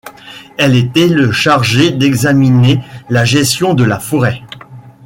Elle était le chargée d'examiner la gestion de la forêt.